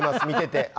見てて。